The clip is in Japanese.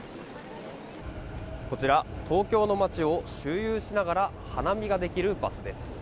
こちら東京の街を周遊しながら花見ができるバスです。